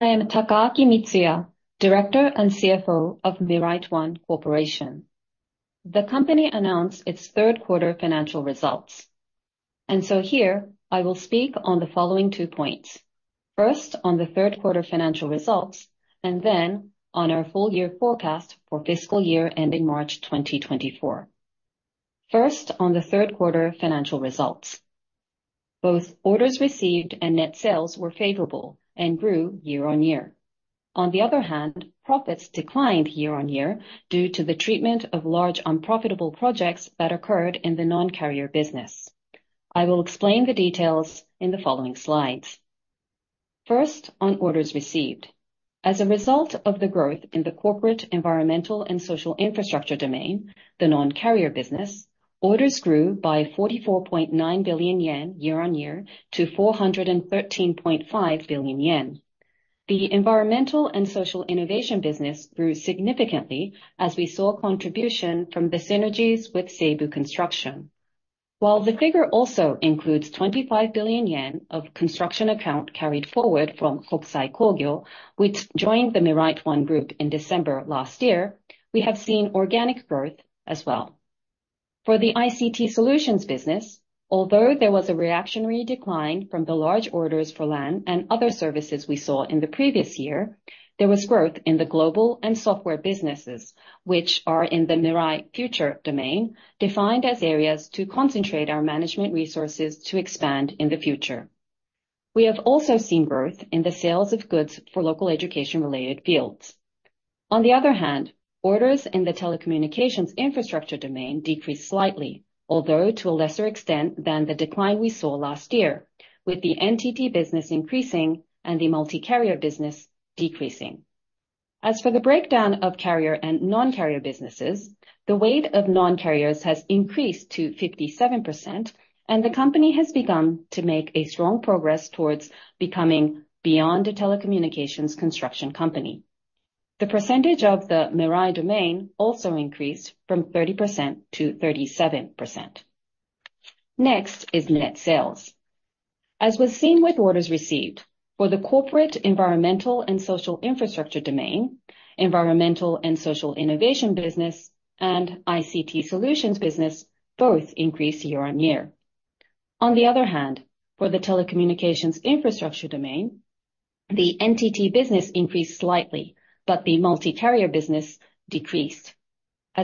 I am Takaaki Mitsuya, Director and CFO of MIRAIT ONE Corporation. Here, I will speak on the following two points. First, on the third quarter financial results. Then on our full year forecast for fiscal year ending March 2024. First, on the third quarter financial results. Both orders received andNnet Sales were favorable and grew year-on-year. On the other hand, profits declined year-on-year due to the treatment of large unprofitable projects that occurred in the non-carrier business. I will explain the details in the following slides. First, on orders received. As a result of the growth in the Corporate, Environmental and Social Infrastructure Domain, the non-carrier business, orders grew by 44.9 billion yen year-on-year to 413.5 billion yen. The Environmental and Social Innovation Business grew significantly as we saw contribution from the synergies with Seibu Construction. While the figure also includes 25 billion yen of construction account carried forward from Kokusai Kogyo, which joined the MIRAIT ONE Group in December last year, we have seen organic growth as well. For the ICT Solution Business, although there was a reactionary decline from the large orders for LAN and other services we saw in the previous year, there was growth in the global and software businesses, which are in the MIRAI Domains, defined as areas to concentrate our management resources to expand in the future. We have also seen growth in the sales of goods for local education related fields. Orders in the Telecommunications Infrastructure Domain decreased slightly, although to a lesser extent than the decline we saw last year, with the NTT business increasing and the Multi-carrier Business decreasing. As for the breakdown of carrier and non-carrier businesses, the weight of non-carriers has increased to 57%, and the company has begun to make a strong progress towards becoming beyond a telecommunications construction company. The percentage of the MIRAI Domain also increased from 30% to 37%. Net Sales. As was seen with orders received, for the Corporate/Environmental and Social Infrastructure Domain, Environmental and Social Innovation Business and ICT Solution Business both increased year-on-year. For the Telecommunications Infrastructure Domain, the NTT business increased slightly, but the Multi-carrier Business decreased.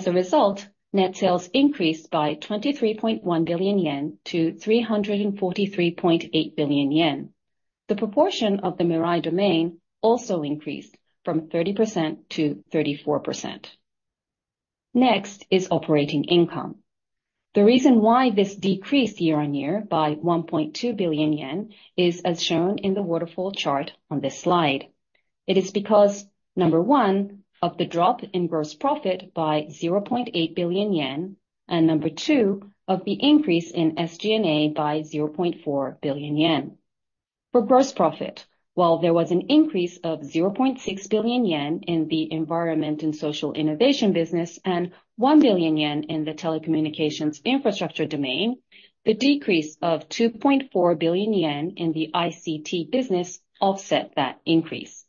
Result, Net Sales increased by 23.1 billion-343.8 billion yen. The proportion of the MIRAI domain also increased from 30% to 34%. Next is operating income. The reason why this decreased year-on-year by 1.2 billion yen is as shown in the waterfall chart on this slide. It is because, number one, of the drop in gross profit by 0.8 billion yen and, number two, of the increase in SG&A by 0.4 billion yen. For gross profit, while there was an increase of 0.6 billion yen in the Environmental and Social Innovation Business and 1 billion yen in the Telecommunications Infrastructure Domain, the decrease of 2.4 billion yen in the ICT business offset that increase.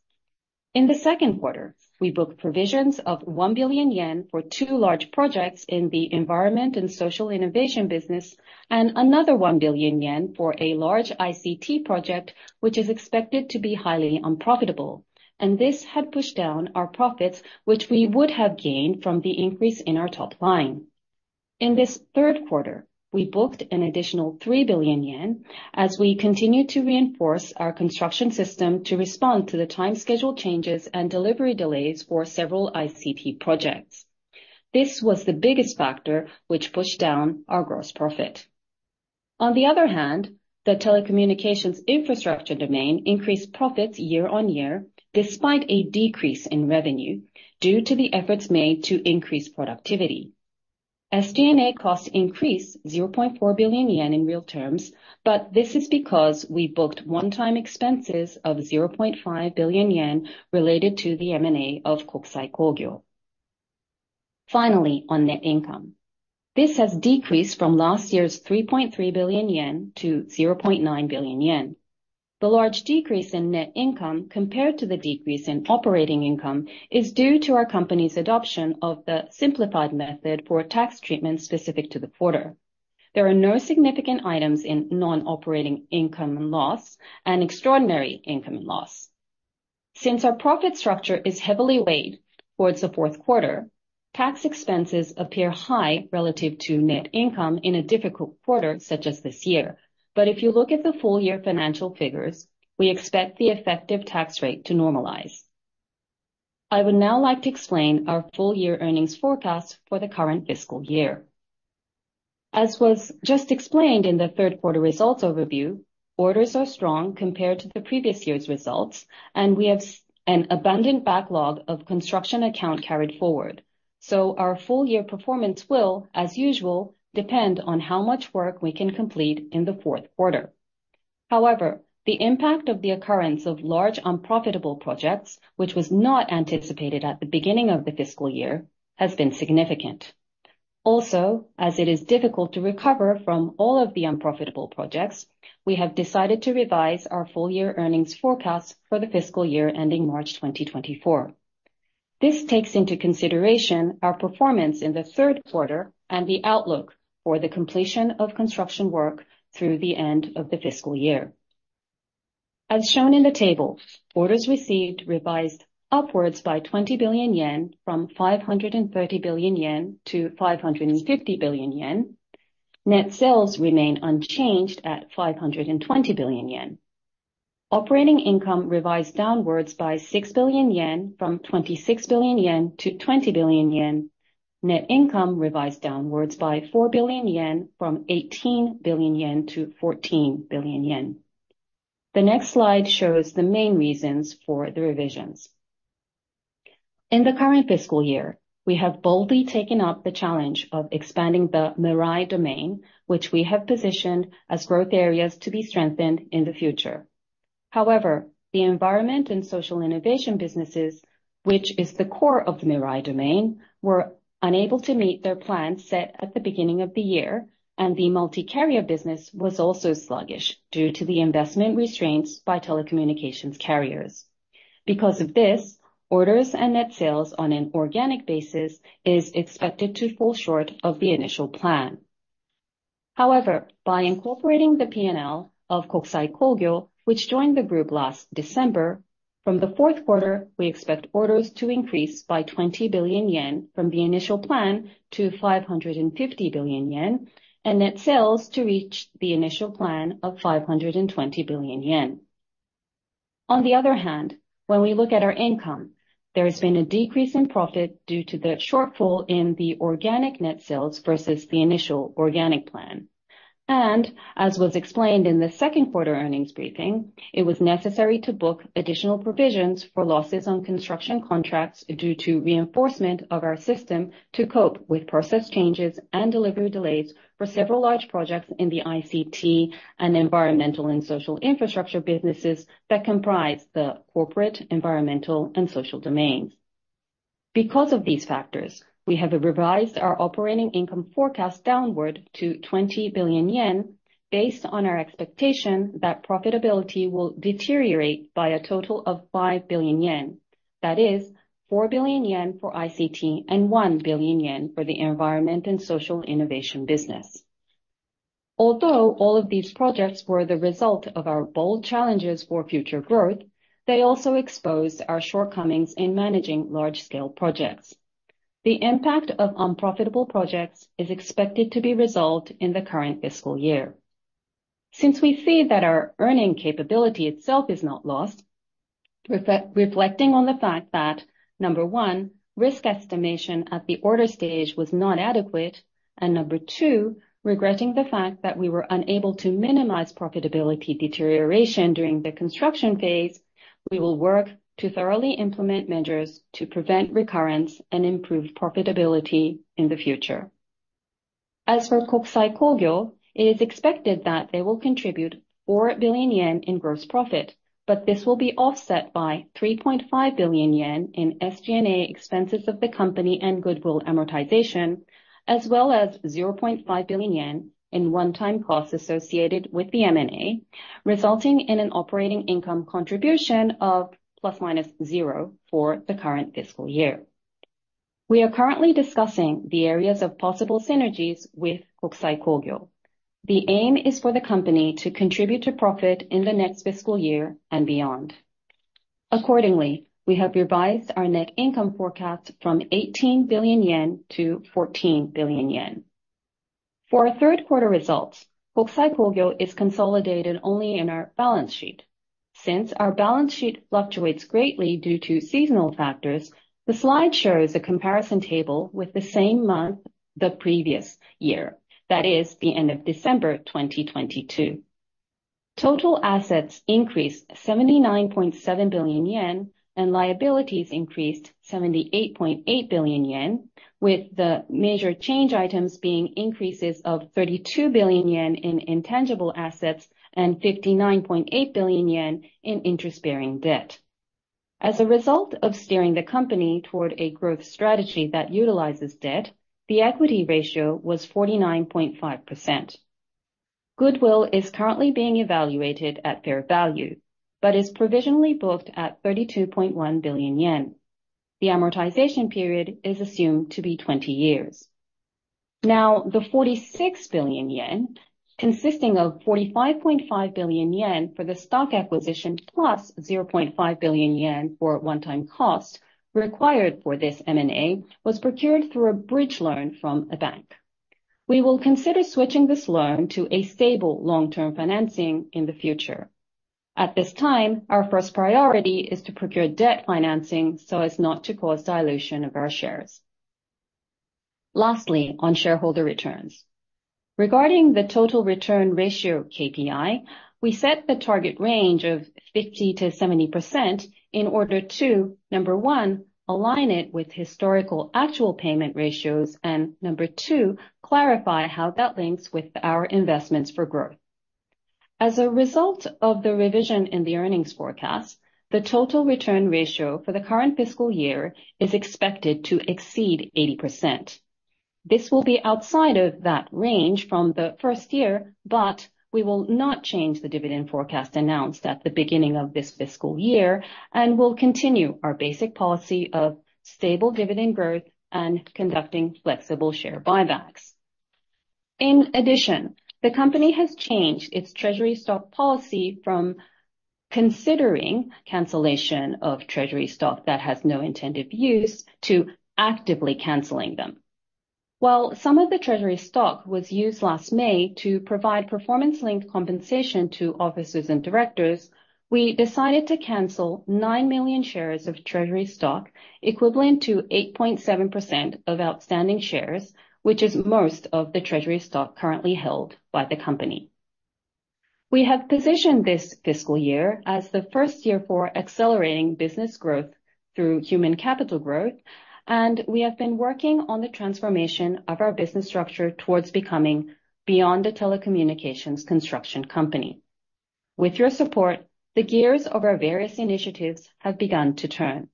In the second quarter, we booked provisions of 1 billion yen for two large projects in the Environmental and Social Innovation Business and another 1 billion yen for a large ICT project, which is expected to be highly unprofitable. This had pushed down our profits, which we would have gained from the increase in our top line. In this third quarter, we booked an additional 3 billion yen as we continued to reinforce our construction system to respond to the time schedule changes and delivery delays for several ICT projects. This was the biggest factor which pushed down our gross profit. On the other hand, the Telecommunications Infrastructure Domain increased profits year-on-year despite a decrease in revenue due to the efforts made to increase productivity. SG&A costs increased 0.4 billion yen in real terms. This is because we booked one-time expenses of 0.5 billion yen related to the M&A of Kokusai Kogyo. Finally, on Net Income. This has decreased from last year's 3.3 billion yen to 0.9 billion yen. The large decrease in Net Income compared to the decrease in operating income is due to our company's adoption of the simplified method for tax treatment specific to the quarter. There are no significant items in non-operating income and loss and extraordinary income and loss. Since our profit structure is heavily weighed towards the fourth quarter, tax expenses appear high relative to Net Income in a difficult quarter such as this year. If you look at the full year financial figures, we expect the effective tax rate to normalize. I would now like to explain our full year earnings forecast for the current fiscal year. As was just explained in the third quarter results overview, orders are strong compared to the previous year's results, and we have an abundant backlog of construction account carried forward. Our full year performance will, as usual, depend on how much work we can complete in the fourth quarter. However, the impact of the occurrence of large unprofitable projects, which was not anticipated at the beginning of the fiscal year, has been significant. As it is difficult to recover from all of the unprofitable projects, we have decided to revise our full year earnings forecast for the fiscal year ending March 2024. This takes into consideration our performance in the third quarter and the outlook for the completion of construction work through the end of the fiscal year. As shown in the table, orders received revised upwards by 20 billion yen from 530 billion-550 billion yen. Net Sales remain unchanged at 520 billion yen. Operating income revised downwards by 6 billion yen from 26 billion-20 billion yen. Net Income revised downwards by 4 billion yen from 18 billion-14 billion yen. The next slide shows the main reasons for the revisions. In the current fiscal year, we have boldly taken up the challenge of expanding the MIRAI Domain, which we have positioned as growth areas to be strengthened in the future. The Environmental and Social Innovation Businesses, which is the core of the MIRAI Domains, were unable to meet their plans set at the beginning of the year, and the Multi-carrier Business was also sluggish due to the investment restraints by telecommunications carriers. Orders and Net Sales on an organic basis is expected to fall short of the initial plan. By incorporating the P&L of Kokusai Kogyo, which joined the MIRAIT ONE Group last December, from the fourth quarter, we expect orders to increase by 20 billion yen from the initial plan to 550 billion yen, and Net Sales to reach the initial plan of 520 billion yen. When we look at our income, there has been a decrease in profit due to the shortfall in the organic Net Sales versus the initial organic plan. As was explained in the second quarter earnings briefing, it was necessary to book additional provisions for losses on construction contracts due to reinforcement of our system to cope with process changes and delivery delays for several large projects in the ICT and environmental and social infrastructure businesses that comprise the Corporate, Environmental, and Social Domains. Because of these factors, we have revised our operating income forecast downward to 20 billion yen based on our expectation that profitability will deteriorate by a total of 5 billion yen. That is 4 billion yen for ICT and 1 billion yen for the Environmental and Social Innovation Business. Although all of these projects were the result of our bold challenges for future growth, they also exposed our shortcomings in managing large scale projects. The impact of unprofitable projects is expected to be resolved in the current fiscal year. We see that our earning capability itself is not lost, reflecting on the fact that, number one, risk estimation at the order stage was not adequate, and number two, regretting the fact that we were unable to minimize profitability deterioration during the construction phase, we will work to thoroughly implement measures to prevent recurrence and improve profitability in the future. As for Kokusai Kogyo, it is expected that they will contribute 4 billion yen in gross profit, but this will be offset by 3.5 billion yen in SG&A expenses of the company and goodwill amortization, as well as 0.5 billion yen in one-time costs associated with the M&A, resulting in an operating income contribution of ±0 for the current fiscal year. We are currently discussing the areas of possible synergies with Kokusai Kogyo. The aim is for the company to contribute to profit in the next fiscal year and beyond. Accordingly, we have revised our Net Income forecast from 18 billion-14 billion yen. For our third quarter results, Kokusai Kogyo is consolidated only in our balance sheet. Since our balance sheet fluctuates greatly due to seasonal factors, the slide shows a comparison table with the same month the previous year, that is the end of December 2022. Total assets increased 79.7 billion yen, and liabilities increased 78.8 billion yen, with the major change items being increases of 32 billion yen in intangible assets and 59.8 billion yen in interest-bearing debt. As a result of steering the company toward a growth strategy that utilizes debt, the equity ratio was 49.5%. Goodwill is currently being evaluated at fair value, but is provisionally booked at 32.1 billion yen. The amortization period is assumed to be 20 years. The 46 billion yen, consisting of 45.5 billion yen for the stock acquisition plus 0.5 billion yen for one-time cost required for this M&A was procured through a bridge loan from a bank. We will consider switching this loan to a stable long-term financing in the future. At this time, our first priority is to procure debt financing so as not to cause dilution of our shares. Lastly, on shareholder returns. Regarding the total return ratio KPI, we set the target range of 50%-70% in order to, number one, align it with historical actual payment ratios, and number two, clarify how that links with our investments for growth. As a result of the revision in the earnings forecast, the total return ratio for the current fiscal year is expected to exceed 80%. This will be outside of that range from the first year, but we will not change the dividend forecast announced at the beginning of this fiscal year and will continue our basic policy of stable dividend growth and conducting flexible share buybacks. In addition, the company has changed its treasury stock policy from considering cancellation of treasury stock that has no intended use to actively canceling them. While some of the treasury stock was used last May to provide performance-linked compensation to officers and directors, we decided to cancel 9 million shares of treasury stock, equivalent to 8.7% of outstanding shares, which is most of the treasury stock currently held by the company. We have positioned this fiscal year as the first year for accelerating business growth through human capital growth. We have been working on the transformation of our business structure towards becoming beyond a telecommunications construction company. With your support, the gears of our various initiatives have begun to turn.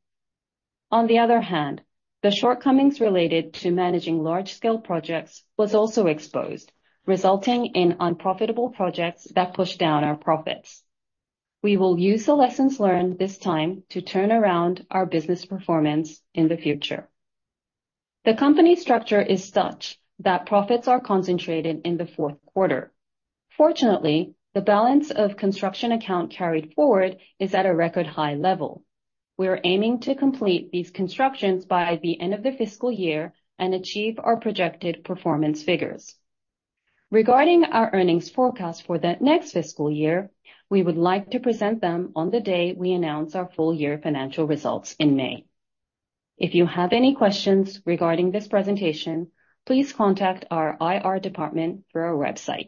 On the other hand, the shortcomings related to managing large-scale projects was also exposed, resulting in unprofitable projects that pushed down our profits. We will use the lessons learned this time to turn around our business performance in the future. The company structure is such that profits are concentrated in the fourth quarter. Fortunately, the balance of construction account carried forward is at a record high level. We are aiming to complete these constructions by the end of the fiscal year and achieve our projected performance figures. Regarding our earnings forecast for the next fiscal year, we would like to present them on the day we announce our full year financial results in May. If you have any questions regarding this presentation, please contact our IR department through our website.